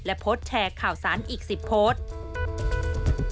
และโพสต์แชร์ข่าวสารอีก๑๐โพสต์